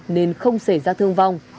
nên không xảy ra thương vong